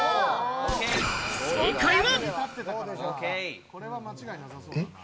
正解は。